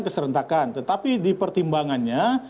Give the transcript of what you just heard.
keserentakan tetapi di pertimbangannya